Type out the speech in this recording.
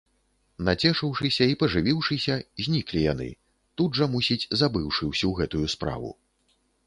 Нацешыўшыся і пажывіўшыся, зніклі яны, тут жа, мусіць, забыўшы ўсю гэтую справу.